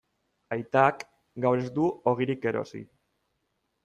Aitak gaur ez du ogirik erosi.